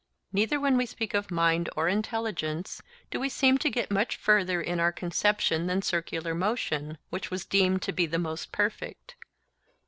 Neither when we speak of mind or intelligence, do we seem to get much further in our conception than circular motion, which was deemed to be the most perfect.